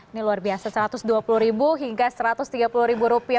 ini luar biasa rp satu ratus dua puluh hingga rp satu ratus tiga puluh